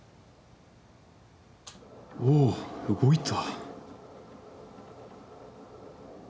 おおっ動いた。